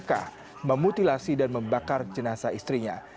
maka memutilasi dan membakar jenasa istrinya